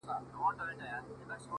زه درته څه ووايم!